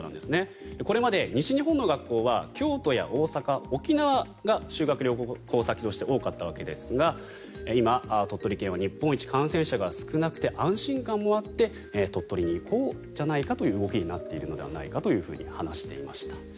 これまで西日本の学校は京都や大阪、沖縄が修学旅行先として多かったわけですが今、鳥取県は日本一感染者が少なくて安心感もあって鳥取に行こうという動きになっているのではないかと話していました。